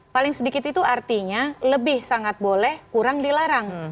paling sedikit itu artinya lebih sangat boleh kurang dilarang